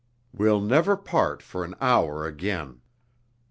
We'll never part for an hour again."